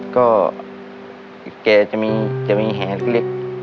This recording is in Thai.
ก็แกจะมีจะมีแหลก